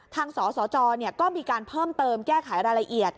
สสจก็มีการเพิ่มเติมแก้ไขรายละเอียด